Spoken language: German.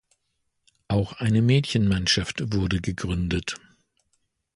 Auch eine Mädchenmannschaft wurde gegründet.